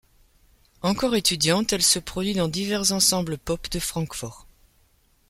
Encore étudiante, elle se produit dans divers ensembles pop de Francfort.